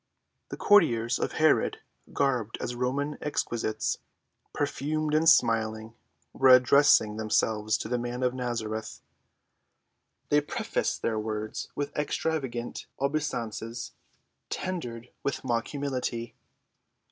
The courtiers of Herod, garbed as Roman exquisites, perfumed and smiling, were addressing themselves to the man of Nazareth. They prefaced their words with extravagant obeisances, tendered with mock humility.